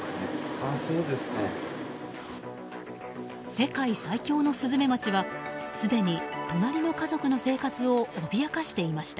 世界最凶のスズメバチはすでに隣の家族の生活を脅かしていました。